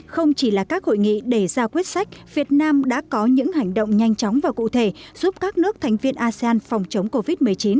không chỉ là các hội nghị để ra quyết sách việt nam đã có những hành động nhanh chóng và cụ thể giúp các nước thành viên asean phòng chống covid một mươi chín